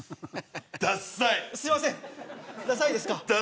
すいません、ださいですか。